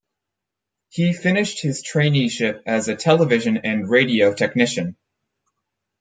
He finished his traineeship as a television and radio technician.